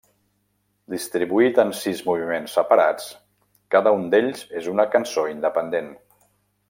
Distribuït en sis moviments separats, cada un d'ells és una cançó independent.